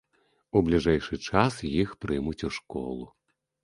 У бліжэйшы час іх прымуць у школу.